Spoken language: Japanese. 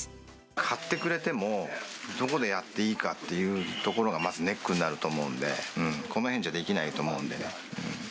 買ってくれても、どこでやっていいかっていうところがまずネックになると思うんで、このへんじゃできないと思うんで。